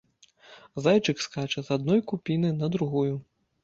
Зайчык скача з адной купіны на другую.